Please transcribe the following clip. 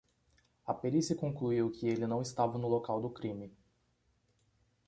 A perícia concluiu que ele não estava no local do crime